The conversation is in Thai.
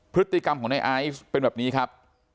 พฤติกรรมของในไอซ์เป็นแบบนี้ครับ